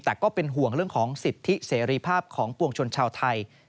แต่ก็เป็นห่วงเรื่องของสิทธิเสรีภาพของปวงชนชาวไทย